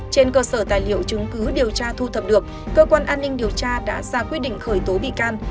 trên cơ sở tài liệu chứng cứ điều tra thu thập được cơ quan an ninh điều tra đã ra quyết định khởi tố bị can